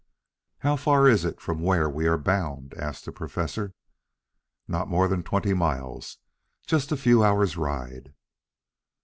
"How far is it from where we are bound?" asked the Professor. "Not more than twenty miles. Just a few hours' ride."